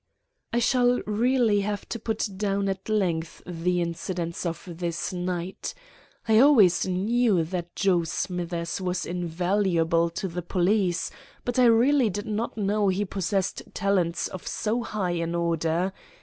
"I shall really have to put down at length the incidents of this night. I always knew that Joe Smithers was invaluable to the police, but I really did not know he possessed talents of so high an order.